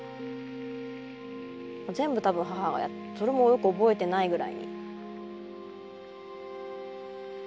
もう全部多分母がやってそれもよく覚えてないぐらいに。